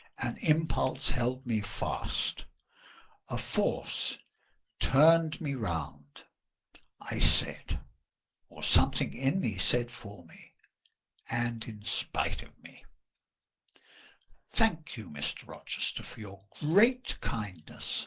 An impulse held me fast—a force turned me round. I said—or something in me said for me, and in spite of me— "Thank you, Mr. Rochester, for your great kindness.